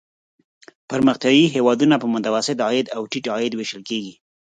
پرمختیايي هېوادونه په متوسط عاید او ټیټ عاید ویشل کیږي.